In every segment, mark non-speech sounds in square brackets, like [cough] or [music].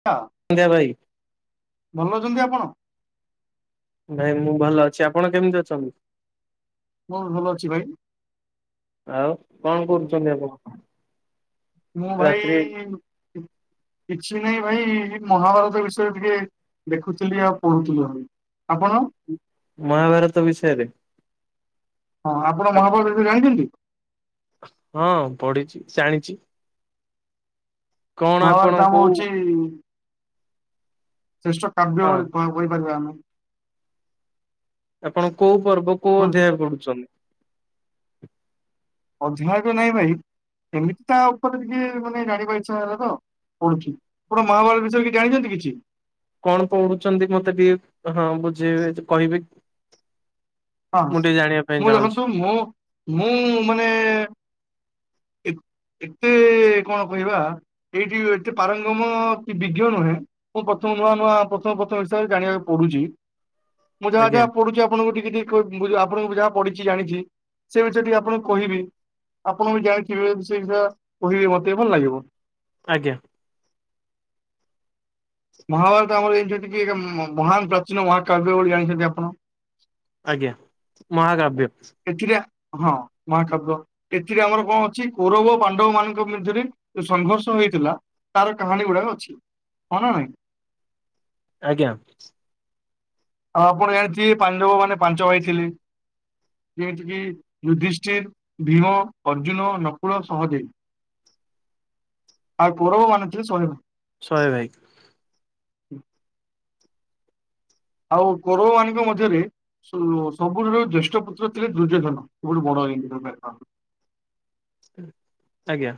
[inaudible] [unintelligible] ଭାଇ। ଭଲ ଅଛନ୍ତି ଆପଣ? ଭାଇ, ମୁଁ ଭଲ ଅଛି। ଆପଣ କେମିତି ଅଛନ୍ତି? ହଁ, ଭଲ ଅଛି ଭାଇ। ଆଉ କଣ କରୁଛନ୍ତି ଆପଣ? ମୁଁ ରାତ୍ରି ଭାଇ କିଛି ନାଇଁ ଭାଇ। ମହାଭାରତ ବିଷୟରେ ଟିକେ ଦେଖୁଥିଲି ଆଉ ପଢୁଥିଲୁ ଘରେ। ଆପଣ? ମହାଭାରତ ବିଷୟରେ। ହଁ, ଆପଣ ମହାଭାରତ ବିଷୟରେ ଯାଣିଛନ୍ତି? ହଁ, ପଢିଛି, ଜାଣିଛି। କଣ ଆପଣ ମହାଭାରତ ଆମର କୋଉ ହଉଛି ଶ୍ରେଷ୍ଠ କାବ୍ୟ ହଁ କହିପାରିବା ଆମେ। ଆପଣ କୋଉ ପର୍ବ କୋଉ ହୁଁ, ଅଧ୍ୟାୟ ପଡୁଛନ୍ତି? ଅଧ୍ୟାୟଃ ନାଇଁ ଭାଇ। ଏମିତି ତା ଉପରେ ଟିକେ ମାନେ ଜାଣିବା ଇଚ୍ଛା ହେଲା ତ। ପଢୁଛି। ଆପଣ ମହାଭାରତ ବିଷୟରେ କି ଜାଣିଛନ୍ତି କିଛି? କଣ ପଢୁଛନ୍ତି, ମତେ ଟିକେ ହଁ ବୁଝେଇବେ କହିବେକି? ହଁ, ପାଇଁ ମୁଁ ଚାହୁଁଛି ଦେଖନ୍ତୁ, ମୁଁ ମୁଁ ମାନେ ଏତେ କଣ କହିବା, ଏଇଠି ଏତେ ପାରଙ୍ଗମ କି ବିଜ୍ଞ ନୁହେଁ। ମୁଁ ପ୍ରଥମ ନୂଆ ନୂଆ ପ୍ରଥମ ପ୍ରଥମ ହିସାବରେ ଜାଣିବାକୁ ପଡୁଛି। ହ ମୁଁ ଯାହା ଯାହା ପଢୁଛି, ଆପଣଙ୍କୁ ଟିକେ ଟିକେ ଆପଣଙ୍କୁ ଯାହା ପଢିଛିି ଜାଣିଛି, ସେ ବିଷୟ ଟିକେ ଆପଣଙ୍କୁ କହିବି। ଆପଣ ବି ଜାଣିଥିବେ ସେ ବିଷୟ କହିବେ, ମତେ ଭଲ ଲାଗିବ। ଆଜ୍ଞା। [inaudible] ମହାଭାରତ ଆମର ଏଇଠି ଟିକେ ମହାନ ପ୍ରାଚୀନ ମହାକାବ୍ୟ ବୋଲି, ଜାଣିଛନ୍ତି ଆପଣ। ଆଜ୍ଞା, ମହାକାବ୍ୟ। [inaudible] ହଁ, ମହାକାବ୍ୟ। ଏଥିରେ ଆମର କଣ ଅଛି, କୋରବ ପାଣ୍ଡବ ମାନଙ୍କ ମଧ୍ୟରେ ସଂଘର୍ଷ ହେଇଥିଲା। ତାର କାହାଣୀ ଗୁଡାକ ଅଛି, ହଁ ନାଁ ନାଇଁ? ଆଜ୍ଞା। ଆପଣ ଜାଣିଥିବେ, ପାଣ୍ଡବ ମାନେ ପାଞ୍ଚ ଭାଇ ଥିଲେ। ଯେମିତି କିି ଯୁଧିଷ୍ଠିର, ଭୀମ, ଅର୍ଜୁନ, ନକୁଳ, ସହଦେବ। ଆଉ କୌରବ ମାନ ଥିଲେ ଶହେ। ଶହେ ଭାଇ। ଆଉ କୋରବ ମାନଙ୍କ ମଧ୍ୟରେ ସ ସବୁଠାରୁ ଜ୍ୟେଷ୍ଠ ପୁତ୍ର ଥିଲେ ଦୁର୍ଯ୍ୟୋଧନ ସବୁଠୁ [unintelligible] ଆଜ୍ଞା।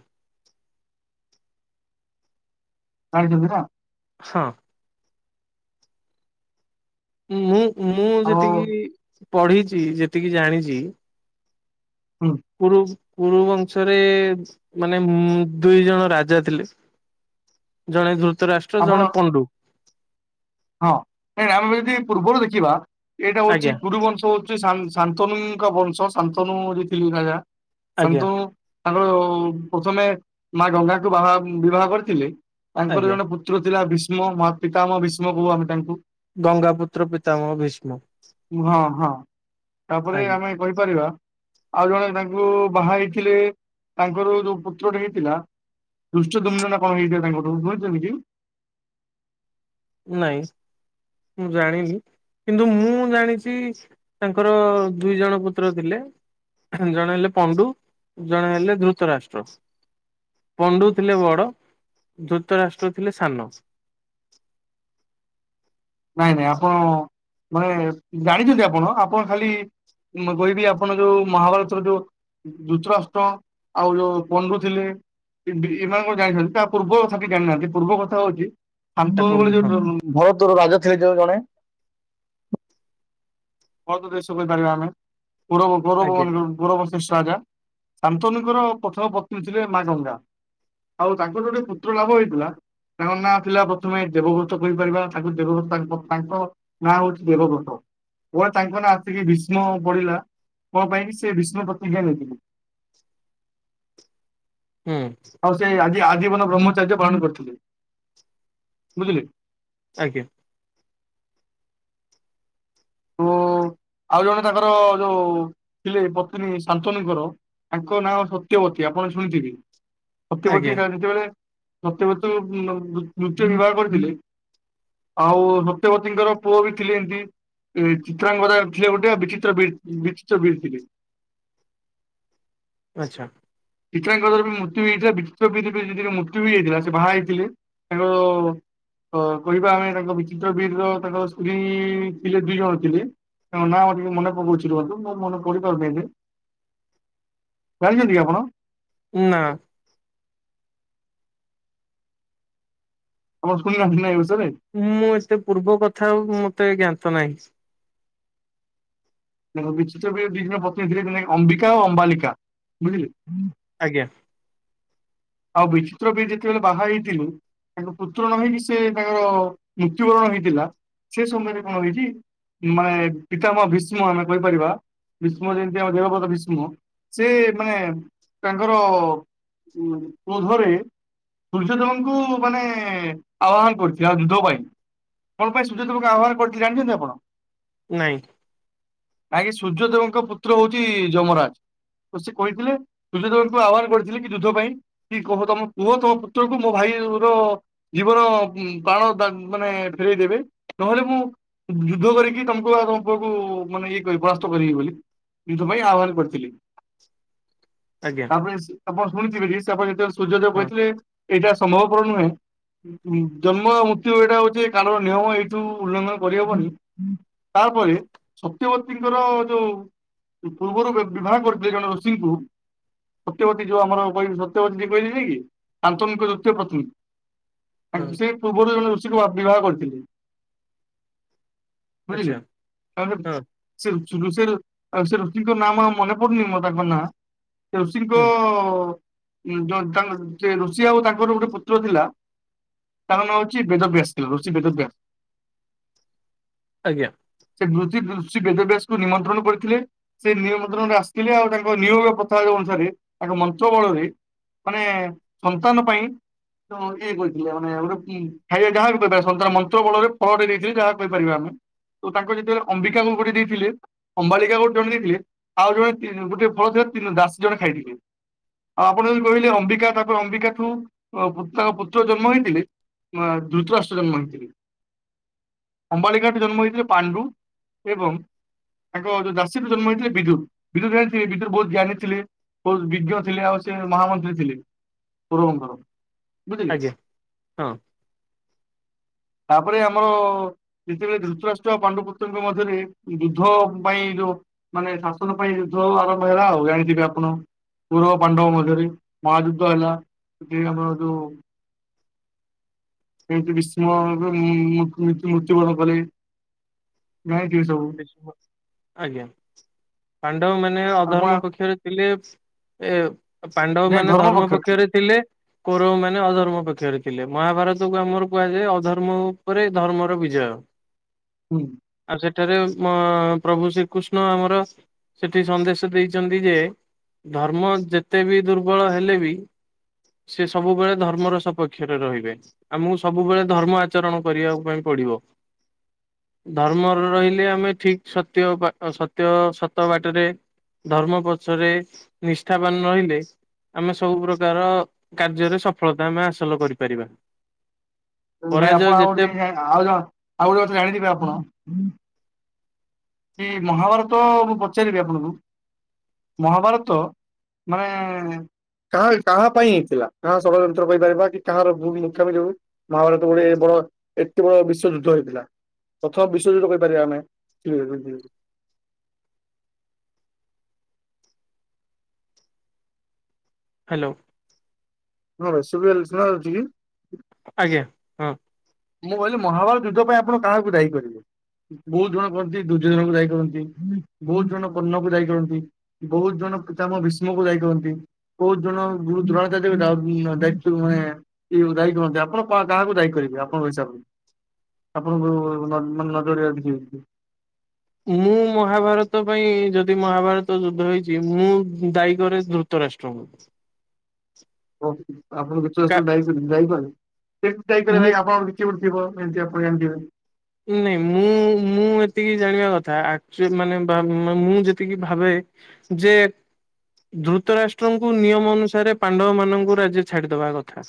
[unintelligible] ହଁ। ମୁଁ ମୁଁ ଆଉ ଯେତିକି ପଢିଛି ଯେତିକି ଜାଣିଚି ହଁ। କୁରୁ କୁରୁବଂଶରେ ମାନେ ମ୍ -ଦୁଇ ଜଣ ରାଜା ଥିଲେ। ଜଣେ ଧୃତ ରାଷ୍ଟ୍ର ଆପଣ ଜଣେ ପଣ୍ଡୁ। ହଁ ନା ଆମେ ଯଦି ପୂର୍ବରୁ ଦେଖିବା ଏଇଟା ହଉଛି ଆଜ୍ଞା ପୂରୁବଂଶ ହଉ ଶାନ୍ ଶାନ୍ତନୁ ଙ୍କ ବଂଶ ଶାନ୍ତନୁ ହଉଚି ତିନି ରାଜା ଆଜ୍ଞା ଶାନ୍ତୁନୁ ତାଙ୍କର ପ୍ରଥମେ ମା ଗଙ୍ଗାକୁ ବାହା-ବିବାହ କରିଥିଲେ ତାଙ୍କର ଆଜ୍ଞା ଜଣେ ପୁତ ପୁତ୍ର ଥିଲା ଭୀଷ୍ମ ମା ପିତାମହ ଭୀଷ୍ମ କହୁ ଆମେ ତାଙ୍କୁ। ଗଙ୍ଗାପୁତ୍ର ପିତାମହ ଭୀଷ୍ମ। ହଁ ହଁ ତାପରେ ଆଜ୍ଞା ଆମେ କହିପାରିବା ଆଉ ଜଣେ ତାଙ୍କୁ ବାହା ହେଇଥିଲେ ତାଙ୍କର ଯୋଉ ପୁତ୍ରଟେ ହେଇଥିଲା ଦୁଷ୍ଟଦୁମ୍ନ ନା କଣ ହେଇଥାଏ ତାଙ୍କଠୁ [unintelligible] ନାଇଁ ମୁଁ ଜାଣିନି। କିନ୍ତୁ ମୁଁ ଜାଣିଚି ତାଙ୍କର ଦୁଇ ଜଣ ପୁତ୍ର ଥିଲେ ଜଣେ ହେଲେ ପଣ୍ଡୁ ଜଣେ ହେଲେ ଧୃତ ରାଷ୍ଟ୍ର। ପଣ୍ଡୁ ଥିଲେ ବଡ ଧୃତ ରାଷ୍ଟ୍ର ଥିଲେ ସାନ। ନାଇଁ ନାଇଁ ଆପଣ ମାନେ ଜାଣିଚନ୍ତି ଆପଣ ଆପଣ ଖାଲି ମୁଁ କହିବି ଆପଣ ଯୋଉ ମହାଭାରତର ଯୋଉ ଯୁତରାଷ୍ଟ୍ର ଆଉ ଯୋଉ ପଣ୍ଡୁ ଥିଲେ ଏମାନଙ୍କ ଜାଣିଛନ୍ତି ତା ପୂର୍ବ କଥା କିଛି ଜାଣିନାହାନ୍ତି ପୂର୍ବ କଥା ହଉଚି ତା ପୂର୍ବ [unintelligible] ହଁ ଯୋଉ ଭରତର ରାଜା ହେଇଥିଲେ ଜଣେ [unintelligible] ଦେଶ କହିପାରିବା ଆମେ। ଆଜ୍ଞା [unintelligible] କୌରବଶେଷ୍ ରାଜା ଶାନ୍ତନୁ ଙ୍କର ପ୍ରଥମ ପତ୍ନୀ ଥିଲେ ମା ଗଙ୍ଗା। ଆଉ ତାଙ୍କର ଗୋଟେ ପୁତ୍ର ଲାଭ ହେଇଥିଲା ତାଙ୍କ ନାଁ ଥିଲା ପ୍ରଥମେ ଦେବବ୍ରତ କହିପାରିବା ତାଙ୍କୁ ଦେବବ୍ରତ ତାଙ୍କ ତାଙ୍କ ନାଁ ହଉଛି ଦେବବ୍ରତ ହୁଅ ତାଙ୍କ ନାଁ ଆସିକି ଭୀଷ୍ମ ବଡିଲା। କଁ ପାଇଁ ବି ସେ ଭୀଷ୍ମ ପ୍ରତିଜ୍ଞା ନେଇଥିଲେ? ହୁଁ। ଆଉ ସେ ଆଜି ଆଜୀବନ ବ୍ରହ୍ମଚାର୍ଯ୍ୟ ପାଳନ କରିଥିଲେ ବୁଝିଲେ? ଆଜ୍ଞା। ଓ-ଆଉ ଜଣେ ତାଙ୍କର ଯୋଉ ଥିଲେ ପତ୍ନୀ ଶାନ୍ତନୁ ଙ୍କର ତାଙ୍କ ନାଁ ସତ୍ୟବତୀ ଆପଣ ଶୁଣିଥିବେ ସତ୍ୟବତୀ ଆଜ୍ଞା ଯେତେବେଳେ ସତ୍ୟବ୍ରତ ମ୍ଏମ୍ ମୃତୁ ବିବାହ କରିଥିଲେ। ଆଉ ନୁତ୍ୟବତୀଙ୍କର ପୁଅ ବି ଥିଲେ ଏମତି ଏ ଚିତ୍ରାଙ୍ଗ ବଜାର ଥିଲେ ଗୋଟେ ବିଚିତ୍ର ବି-ବିଚିତ୍ର ବି ଥିଲେ। ଆଚ୍ଛା। ପିତ୍ରା ଙ୍କର ବି ମୃତ୍ୟୁ ହେଇଥିଲା ବିଚିତ୍ର ବି ଙ୍କ ର ମୃତ୍ୟୁ ହେଇଯାଇଥିଲା ସେ ବାହା ହେଇଥିଲେ। ତାଙ୍କ ହ କହିବା ଆମେ ତାଙ୍କ ବିଚିତ୍ର ବିର୍ ର ତାଙ୍କ ସ୍ତ୍ରୀ-ଥିଲେ ଦିଇ ଜଣ ଥିଲେ। ନାଁ ମୋ ଟେ ମନେ ପକଉଚି ରୁହନ୍ତୁ ମୋ ମନେ ପାଡିପଡୁନି ଏବେ। ଯାଇଚନ୍ତି କି ଆପଣ? ନାଁ। ତମର ସ୍କୋଲାର୍ସିପ୍ ନାଁ ଏଇ ବର୍ଷ ରେ? ମୁଁ ଏତେ ପୂର୍ବ କଥା ମତେ ଜ୍ଞାତ ନାହିଁ। ବିଚିତ୍ର ବି ଦି ଜଣ ପତ୍ନୀ ଥିଲେ ଅମ୍ବିକା ଆଉ ଅମ୍ବାଲିକା ବୁଝିଲେ। ଆଜ୍ଞା। ଆଉ ବିଚିତ୍ର ବିଚିତ୍ର ବାହା ହେଇଥିଲୁ। ତାଙ୍କ ପୁତ୍ର ନ ହେଇକି ସେ ତାଙ୍କର ମୃତ୍ୟୁବରଣ ହେଇଥିଲା ସେ ସମୟରେ କଣ ହେଇଚି ମାନେ ପିତାମ ଭୀଷ୍ମ ଆମେ କହିପାରିବା ଭୀଷ୍ମ ଯେମିତି ଆମେ ଦେବବ୍ରତ ଭୀଷ୍ମ। ସେ ମାନେ ତାଙ୍କର ଉ କ୍ରୋଧରେ ସୂର୍ଯ୍ୟଦେବଙ୍କୁ ମାନେ ଆହ୍ୱାନ କରିଛି ଆଉ ଯୁଦ୍ଧ ପାଇଁ। କଣ ପାଇଁ ସୁଯୋ ଦେବଙ୍କୁ ଆହ୍ୱାନ କରିଛି ଜାଣିଛନ୍ତି ଆପଣ? ନାଇଁ। ଆଜେ ସୂର୍ଯ୍ୟଦେବଙ୍କ ପୁତ୍ର ହଉଚି ଯମରାଜ। ସେ କହିଥିଲେ ଦୂର୍ଯ୍ୟୋଦବଙ୍କୁ ଆହ୍ୱାନ କରିଥିଲେ କି ଯୁଦ୍ଧ ପାଇଁ। କି କୁହ ତମ ପୁଅ ତମ ପୁତ୍ର କୁ ମୋ ଭାଇ ର ଜୀବନ ବାଣ ତା ମାନେ ଫେରେଇ ଦେବେ ନହେଲେ ମୁଁ ଯୁଦ୍ଧ କରିକି ତମକୁ ଆଉ ତମ ପୁଅକୁ ମାନେ ଇଏ କରି ବାସ୍ତ କରିବି ବୋଲି। ସ୍ତ୍ରୀଙ୍କ ପାଇଁ ଆହ୍ୱାନ କରିଥିଲି। ଆଜ୍ଞା ତାପରେ ଆପଣ ଶୁଣିଥିବେ କି ସେପଣ ଯେତେବେଳେ ସୂର୍ଯ୍ୟଦେବ ହଁ କହିଥିଲେ ଏଇଟା ସମ୍ଭବପର ନୁହେଁ। ଜନ୍ମ ମୃତ୍ୟୁ ଏଇଟା ହଉଚି କାରଣ ନିୟମ ଏଇଠୁ ଉଲ୍ଲଂଘନ୍ କରିହବନି। ତାପରେ ସତ୍ୟବତୀଙ୍କର ଯୋଉ ପୂର୍ବରୁ ବିବାହ କରିଥିଲେ ଜଣେ ଋଷୀଙ୍କୁ ସତ୍ୟପତୀ ଯୋଉ ଆମର କହିବି ସ ତ ବତି କହିଲେ ଯାଇକି ଆନ୍ତନିକ ଦୃତ୍ୟ ପ୍ରଥନ ହଁ ତାଙ୍କୁ ସେ ପୂର୍ବରୁ ଜଣେ ଋଷିକୁ ବିବାହ କରିଥିଲି। ବୁଝିଲି ଆଚ୍ଛା ତହେଲେ ହଁ ସେ ଋଷିର ସେ ଋଷିଙ୍କ ନାମ ଆ ମନେ ପଡନି ମୋର ଆଉ ତାଙ୍କ ନାଁ। ସେ ଋଷିଙ୍କ ହୁଁ ସେ ଋଷି ଆଉ ତାଙ୍କର ଗୋଟେ ପୁତ୍ର ଥିଲା ତାର ନୋଉଚି ନାଁ ବେଦବ୍ୟାସ୍ ୠଷି ବେଦବ୍ୟା ଆଜ୍ଞା। ସେ ବୃଦ୍ଧି ଦୃସି ବେଦଭ୍ୟାସକୁ ନିମନ୍ତ୍ରଣ କରିଥିଲେ। ସେ ନିମନ୍ତ୍ରଣରେ ଆସିଥିଲେ ଆଉ ତାଙ୍କ ନିୟମ ପ୍ରଥା ଅନୁସାରେ ତାଙ୍କ ମନ୍ତ୍ର ବଳରେ ମାନେ ସନ୍ତାନ ପାଇଁ ତ ଇଏ କହିଥିଲେ ମାନେ ଗୋଟେ ଖାଇବା ଯାହା ବି କ ସନ୍ତାନ ମନ୍ତ୍ର ବଳରେ ଫଳ ଦେଇଥିଲେ ଯାହା କହିପାରିବା ଆମେ। ତ ତାଙ୍କ ଯେତେବେଳେ ଅମ୍ବିକାକୁ କରି ଦେଇଥିଲେ ଅମ୍ବାଳିକା ଗୋଟେ ଜଣେ ଦେଇଥିଲେ ଆଉ ଜଣେ ଗୋଟେ ଫଳ ଥିଲା ତିନ ଦାଶୀ ଜଣେ ଖାଇଥିଲେ? ଆଉ ଆପଣ ଯୋଉ କହିଲେ ଅମ୍ବିକା ତାଙ୍କର ଅମ୍ବିକାଠୁ ତାଙ୍କ ପୁତ୍ର ଜନ୍ମ ହେଇଥିଲେ। ମା ଦ୍ରୁତ ଆଷ୍ଟ ଜନ୍ମ ହେଇଥିଲେ। ଅମ୍ବାଳିକାଠୁ ଜନ୍ମ ହେଇଥିଲେ ପାଣ୍ଡୁ ଏବଂ ତାଙ୍କ ଯୋଉ ଦାଶିରୁ ଜନ୍ମ ହେଥିଲେ ବିଦୁ ବିଦୁତ୍ ଜାଣିଥିଲେ ବିଦୁତ୍ ବହୁତ ଜ୍ଞାନୀ ଥିଲେ। ବହୁ ବିଜ୍ଞ ଥିଲେ ଆଉସ୍ ସେ ମହାମନ୍ତ୍ରୀ ଥିଲେ ପୂର୍ବଙ୍କର ବୁଝିଲେ। ଆଜ୍ଞା [unintelligible] ତାପରେ ଆମ ଯେତେବେଳେ ଧୃତରାଷ୍ଟ୍ର ପାଣ୍ଡୁ ପୁତ୍ରଙ୍କ ଙ୍କ ମଧ୍ୟରେ ଯୁଦ୍ଧ ପାଇଁ ଯୋଉ ମାନେ ଶାସନ ପାଇଁ ଯୁଦ୍ଧ ଆରମ୍ଭ ହେଲା ଆଉ ଜାଣିଥିବେ କୁର ପାଣ୍ଡବ ମଧ୍ୟରେ ମହା ଯୁଦ୍ଧ ହେଲା ଆମର କେମିତି ବିଷ୍ମ ମୃତ୍ୟୁବରଣ କଲେ। ନାଏ କି ସବୁ ଆଜ୍ଞା ପାଣ୍ଡବ ମାନେ ଆପଣ ଅଧର୍ମ ପକ୍ଷରେ ଥିଲେ। ଏ ପାଣ୍ଡବ ମାନେ ଧର୍ମ ପକ୍ଷରେ ଥିଲେ। କୌରବମାନେ ଅଧର୍ମ ପକ୍ଷରେ ଥିଲେ ମହାଭାରତକୁ ଆମର କୁହାଯାଏ ଅଧର୍ମ ଉପରେ ଧର୍ମର ବିଜୟ। [unintelligible] ହୁଁ। ଆଉ ସେଠ ସେଠାରେ ପ୍ରଭୁ ଶ୍ରୀକୃଷ୍ଣ ଆମର ସେଠି ସନ୍ଦେଶ ଦେଇଛନ୍ତି ଯେ ଧର୍ମ ଯେତେ ବି ଦୁର୍ବଳ ହେଲେ ବି ସେ ସବୁବେଳେ ଧର୍ମର ସପକ୍ଷରେ ରହିବେ। ଆମକୁ ସବୁବେଳେ ଧର୍ମ ଆଚରଣ କରିବାକୁ ପାଇଁ ପଡିବ ଧର୍ମ ରହିଲେ ଆମେ ଠିକ ସତ୍ୟ ବା ସତ୍ୟ ସତ ବାଟରେ ଧର୍ମ ପଛରେ ନିଷ୍ଠାବାନ ରହିଲେ। ଆମେ ସବୁ ପ୍ରକାର କାର୍ଯ୍ୟରେ ସଫଳତା ଆମେ ହାସଲ କରିପାରିବା। ଭାଇ ପରାଜୟ ଆପଣ ଆଉ ଯେତେ ଗୋଟେ ଯାଇ ଆଉ ଆଉ ଗୋଟେ କଥା ଜାଣିଥେବେ ଆପଣ କି ମହାଭାରତ ମୁଁ ପଚାରିବି ଆପଣଙ୍କୁ ମହାଭାରତ ମାନେ କାହା କାହା ପାଇଁ ହେଇଥିଲା କାହା ଷଡ଼ଯନ୍ତ୍ର କହିପାରିବା କି କାହାର ଭୂମି ମୂର୍ଖାମୀ ଯୋଗୁଁ ମହାଭାରତ ଗୋଟେ ବଡ ଏତେ ବଡ ବିଶ୍ୱଯୁଦ୍ଧ ହେଇଥିଲା ପ୍ରଥମ ବିଶ୍ଵଯୁଦ୍ଧ କହିପାରିବା ଆମେ। ହୁଁ ହୁଁ ହୁଁ। ହ୍ୟାଲୋ। ହଁ ଭାଇ ସିରି ଶୁଣା ଯାଉଛି କି? ଆଜ୍ଞା ହଁ। ମୁଁ କହିଲି ମହାଭାରତ ଯୁଦ୍ଧ ପାଇଁ ଆପଣ କାହାକୁ ଦାୟୀ କରିବେ? ବହୁତ ଜଣ କରନ୍ତି ଦୁଜ ଜଣଙ୍କୁ ଦାୟୀ କରନ୍ତି ବହୁତ ଜଣ କର୍ଣ୍ଣକୁ ଦାୟୀ କରନ୍ତି। ବହୁତ ଜଣ ପିତା ଭୀଷ୍ମକୁୁ ଦାୟୀକରନ୍ତି। କହୁତ ଜଣ ଗୁରୁ ଦୂ ଦେବେ ଦାୟିତ୍ୱ ମାନେ ଦାୟୀ କରୁହନ୍ତି ଆପଣ କାହାକୁ ଦାୟୀ କରିବେ? ଆପଣଙ୍କ ହିସାବରେ ଆପଣଙ୍କୁ ମାନେ ନଜର ଦେଖ ମୁଁ ମହାଭାରତ ପାଇଁ ଯଦି ମହାଭାରତ ଯୁଦ୍ଧ ହେଇଛି ମୁଁ ଦାୟକରରି ବି- ଧୁତରାଷ୍ଟ୍ର କୁ। ହଉ ଆପଣ କା ଧୁତରାଷ୍ଟ୍ର ଦାୟୀ କରି ଦାୟୀ କରି କେମତି ଭାଇ ଦାୟୀ ମୁଁ କଲେ ଆପଣ? [inaudible] ନାଇଁ ମୁଁ-ମୁଁ ଏତିକି ଜାଣିବା କଥା ଆକ୍ଚୋ ମାନେ ମୁଁ ଯେତିକି ଭାବେ ଯେ ଧୃତରାଷ୍ଟ୍ରଙ୍କୁ ନିୟମ ଅନୁସାରେ ପାଣ୍ଡବ ମାନଙ୍କୁ ରାଜ୍ୟ ଛାଡ଼ିଦବା କଥା।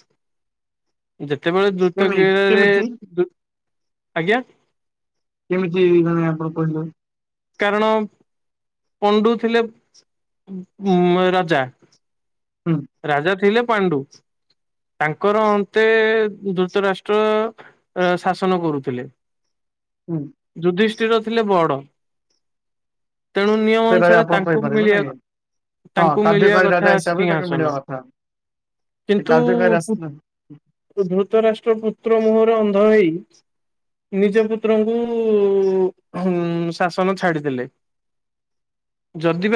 ଯେତେବେଳେ ଦ୍ରୁତ କେମି କାରେ କେମିତି ଧ୍ରୁ ଆଜ୍ଞା। କେମିତି ମାନେ ଆପଣ କହିଲେ? କାରଣ ପଣ୍ଡୁ ଥିଲେ ଉ ରାଜା। ହୁଁ। ରାଜା ଥିଲେ ପାଣ୍ଡୁ। ତାଙ୍କର ଅନ୍ତେ ଧୃତରାଷ୍ଟ୍ର ଅ ଶାସନ କରୁଥିଲେ। [inaudible] ହୁଁ। ଯୁଧିଷ୍ଠିର ଥିଲେ ବଡ। ତେଣୁ ନିୟମ ସେଇଟା ବି ଅନୁସାରେ ଆପଣ ତାଙ୍କୁ କହିପାରିବେ ନାଇଁ। ମିଳିବା। ହଁ ତାଙ୍କୁ ମିଳିବା କାର୍ଯ୍ୟକାରୀ ରାଜା କଥା ହିସାବରେ ତାଙ୍କୁ ମିଳିବା ସିଂହାସନ କଥା। ସେ କିନ୍ତୁ। କାର୍ଯ୍ୟକାରୀ ରାଜା ଧୃତରାଷ୍ଟ୍ର ପୁତ୍ର ମୁହଁରେ ଅନ୍ଧ ହେଇ। ନିଜ ପୁତ୍ରଙ୍କୁ ଶା। ଶନ ଛାଡ଼ିଦେଲେ।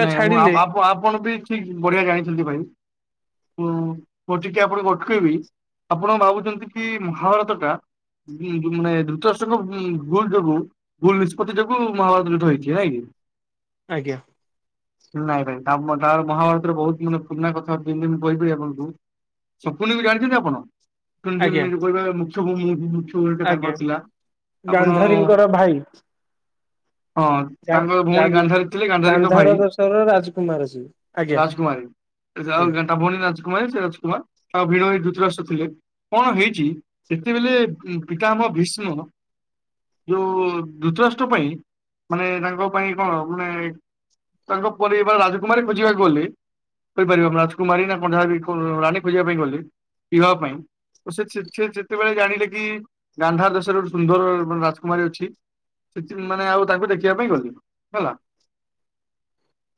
ନାଇଁ ମୁଁ ଛାଡିଲେ ଆପ ଆପ ଆପଣବି ଠିକ୍ ବଢିଆ ଗାଇଛନ୍ତି ଭାଇ। ମୁଁ ଟିକେ ଆପଣ ଅଟକେଇବି ଆପଣ ଭାବୁଛନ୍ତି କି ମହାଭାରତ ଟା। ମାନେ ଧୃତରାଷ୍ଟ୍ରଙ୍କ ଭୁଲ୍ ଯୋଗୁ। ଭୁଲ୍ ନିଷ୍ପତ୍ତି ଯୋଗୁଁ ମହାଭାରତ ଯୁଦ୍ଧ ହେଇଛି ନାଇଁ କି? ଆଜ୍ଞା। ନାଇଁ ଭାଇ ମହାଭାରତରେ ବହୁତ ମାନେ ପୁରୁଣା କଥାବି ମୁଁ କହିବି ଆପଣଙ୍କୁ। ସକୁୁନି କୁ ଜାଣିଛନ୍ତି ଆପଣ ଆଜ୍ଞା [unintelligible] ମୁଖ୍ୟ ଭୂମିକା ଆଜ୍ଞା ତାଙ୍କର ଥିଲା ଆପଣ। ଗାନ୍ଧାରୀଙ୍କର ଭାଇ ହଁ ତାଙ୍କର ଭଉଣୀ ଗାନ୍ଧାରି ଥିଲେ ଗାନ୍ଧାରୀ। ଧାର ଦେଶର ରାଜକୁମାର ସିଏ। ଆଜ୍ଞା ରାଜକୁମାରୀ ହୁଁ। ଆଉ ତା ଭଉଣୀ ରାଜକୁମାରୀ ସେ ରାଜକୁମାର ତା ଭିଣୋଇ ଧୃତରାଷ୍ଟ୍ର ଥିଲେ। କଣ ହେଇଛି ଯେତେବେଳେ ପିତାମହ ଭୀଷ୍ମ। ଯୋଉ ଧୃତରାଷ୍ଟ୍ର ପାଇଁ ମାନେ ତାଙ୍କ ପାଇଁ କଣ ମାନେ। ତାଙ୍କ ପରିବାର ରାଜକୁମାରୀକୁ ଖୋଜିବାକୁ ଗଲେ। କହିପାରିବ ରାଜକୁମାରୀ ନା ପଞ୍ଜାବୀ ରାନି ଖୋଜିବା ପାଇଁ ଗଲେ ବିବାହ ପାଇଁ? ସେ ସେ ଯେତେବେଳେ ଜାଣିଲେ କି ଗାନ୍ଧାର ଦେଶରେ ଗୋଟେ ସୁନ୍ଦର ମାନେ ରାଜକୁମାରୀ ଅଛି। ସେଥି ମାନେ ଆଉ ତାଙ୍କୁ ଦେଖିବା ପାଇଁ ଗଲେ ହେଲା।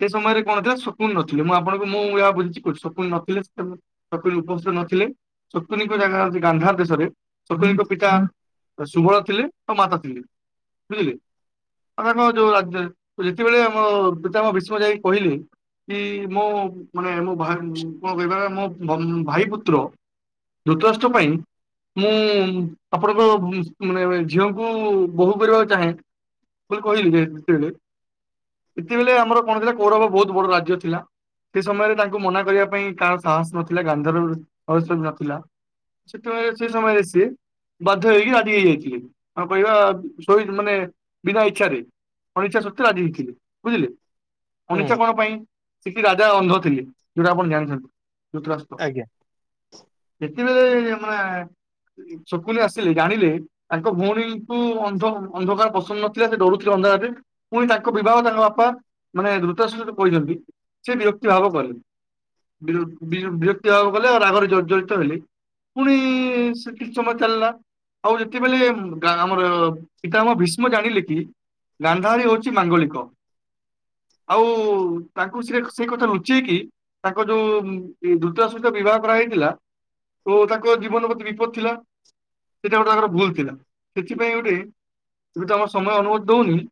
ସେ ସମୟରେ କଣ ଥିଲା ଶକୁୁନି ନଥିଲେ ମୁଁ ଆପଣଙ୍କୁ ମୁଁ ଯାହା ବୁଝିଛି କହୁଛି ଶକୁୁନି ନଥିଲେ ସେ। ଶକୁନି ଉପସ୍ଥିତ ନଥିଲେ ଶକୁନିଙ୍କ ଜାଗା ହଉଛି ଗାନ୍ଧାର ଦେଶରେ। ଶକୁନୀଙ୍କ ପିତା। ସୁବଳ ଥିଲେ ତ ମା [unintelligible] ବୁଝିଲେ? ଯେତେବେଳେ ଆମ ପିତାମହ ଭୀଷ୍ମ ଯାଇକି କହିଲେ। କି ମୋ ମାନେ ମୋ ଭା ମୋ ବିବାହ ମୋ ଭାଇ ପୁତ୍ର। ଧୃତରାଷ୍ଟ୍ର ପାଇଁ। ମୁଁ ଆପଣଙ୍କ ମାନେ ଝିଅଙ୍କୁ ବୋହୂ କରିବାକୁ ଚାହେଁ। ବୋଲି କହିଲେ ଯେତେବେଳେ। ସେତେବେଳେ ଆମର କଣ ଥିଲା କୌରବ ବହୁତ ବଡ ରାଜ୍ୟ ଥିଲା। ସେ ସମୟରେ ତାଙ୍କୁ ମନା କରିବା ପାଇଁ କାହାର ସାହସ ନଥିଲା। ଗାନ୍ଧର [unintelligible] ନଥିଲା। ସେତେବେଳେ ସେ ସମୟରେ ସିଏ। ବାଧ୍ୟ ହେଇକି ରାଜି ହେଇଯାଇଥିଲି। ଆମେ କହିବା ଶୋଇ ମାନେ ବିନା ଇଚ୍ଛାରେ। [unintelligible] ବୁଝିଲେ ହୁଁ ଅନିଚ୍ଛା କଣ ପାଇଁ ସେ କି ରାଜା ଅନ୍ଧ ଥିଲେ। ଯୋଉଟା ଆପଣ ଜାଣିଛନ୍ତି। ଧୃତରାଷ୍ଟ୍ର ଆଜ୍ଞା। ସେତେବେଳେ ମାନେ। ଶକୁନି ଆସିଲେ ଜାଣିଲେ। ତାଙ୍କ ଭଉଣୀଙ୍କୁ ଅନ୍ଧ ଅନ୍ଧକାର ପସନ୍ଦ ନଥିଲା ସେ ଡରୁଥିଲେ ଅନ୍ଧାରରେ। ପୁଣି ତାଙ୍କ ବିବାହ ତା। ବାପା ମାନେ ଧୃତରାଷ୍ଟ୍ର ସହ କହିଛନ୍ତି। ସେ ବିରକ୍ତି ଭାବ କଲେ। ବିର ବିରକ୍ତି ଭାବ କଲେ ରାଗରେ ଜର୍ଜରିତ ହେଲେ। ପୁଣି ସେ କି ସମୟ ଚାଲିଲା। ଆଉ ଏତେବେଳେ ଆମର ପିତାମହ ଭୀଷ୍ମ ଜାଣିଲେ କି ଗାନ୍ଧାରି ହଉଛି ମାଙ୍ଗଳିକ। ଆଉ ତାଙ୍କୁ ସେ ସେଇ କଥା ଲୁଚେଇକି ତାଙ୍କ ଯୋଉ ଦ୍ରୁତ୍ରରାଷ୍ଟ ସହିତ ବିବାହ କରାହାଇଥିଲା ଓ ତାଙ୍କ ଜୀବନ ପ୍ରତି ବିପଦ ଥିଲା। ସେଇଟା ଗୋଟେ ତାଙ୍କର ଭୁଲ ଥିଲା ସେଥିପାଇଁ ଗୋଟେ ସମୟ ଅନୁଭତି ଦଉନି